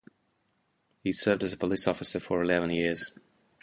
He served as a police officer for eleven years.